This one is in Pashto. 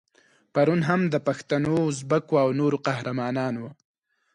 پرون هم د پښتنو، ازبکو او نورو قهرمان وو.